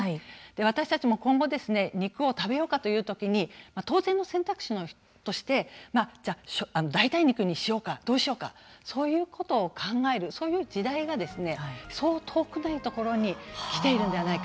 私たちも今後肉を食べようかというときに当然の選択肢として代替肉にしようかどうしようかそういうことを考えるそういう時代がそう遠くないところにきているのではないか